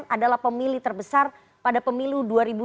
adalah pemilih terbesar pada pemilu dua ribu dua puluh